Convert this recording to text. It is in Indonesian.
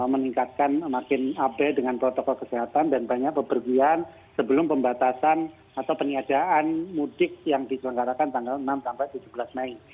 meningkatkan makin abai dengan protokol kesehatan dan banyak bepergian sebelum pembatasan atau peniadaan mudik yang diselenggarakan tanggal enam sampai tujuh belas mei